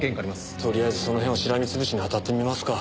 とりあえずその辺をしらみ潰しに当たってみますか。